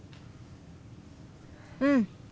うん。